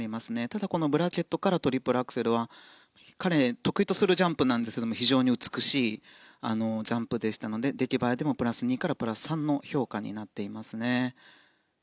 ただ、ブラケットからのトリプルアクセルは彼が得意とするジャンプなんですが非常に美しいジャンプでしたので出来栄えでもプラス２からプラス３の評価になっていますね。